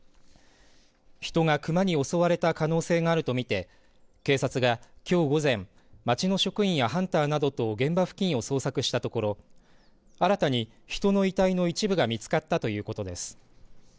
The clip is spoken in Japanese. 人が熊に襲われた可能性があると見て警察がきょう午前、町の職員やハンターなどと現場付近を捜索したところ新たに人の遺体の一部が見つかったということです。